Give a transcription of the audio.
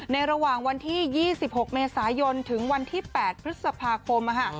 ระหว่างวันที่๒๖เมษายนถึงวันที่๘พฤษภาคม